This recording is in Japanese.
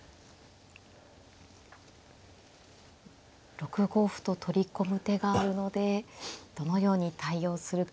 ６五歩と取り込む手があるのでどのように対応するか。